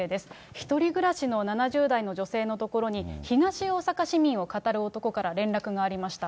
１人暮らしの７０代の女性のところに、東大阪市民をかたる男から連絡がありました。